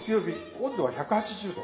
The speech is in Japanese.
温度は１８０℃。